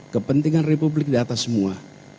kepentingan republik di atas semua